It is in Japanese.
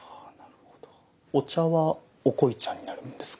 お茶はお濃茶になるんですか？